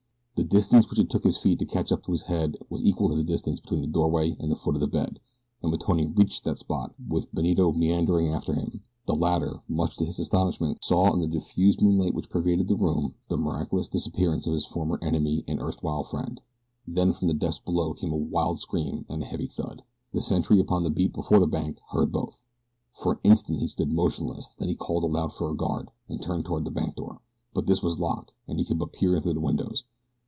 The distance which it took his feet to catch up with his head was equal to the distance between the doorway and the foot of the bed, and when Tony reached that spot, with Benito meandering after him, the latter, much to his astonishment, saw in the diffused moonlight which pervaded the room, the miraculous disappearance of his former enemy and erstwhile friend. Then from the depths below came a wild scream and a heavy thud. The sentry upon the beat before the bank heard both. For an instant he stood motionless, then he called aloud for the guard, and turned toward the bank door. But this was locked and he could but peer in through the windows.